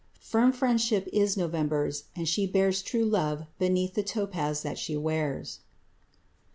Firm friendship is November's, and she bears True love beneath the topaz that she wears.